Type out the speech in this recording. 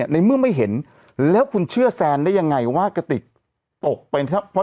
ในเมื่อไม่เห็นแล้วคุณเชื่อแซนได้ยังไงว่ากระติกตกไปนะครับ